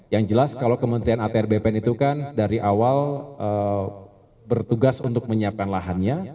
yang jelas kalau kementerian atr bpn itu kan dari awal bertugas untuk menyiapkan lahannya